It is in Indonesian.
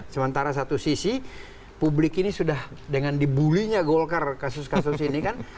sementara satu sisi publik ini sudah dengan dibully nya golkar kasus kasus ini kan